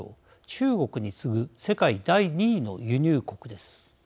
中国に次ぐ世界第２位の輸入国です。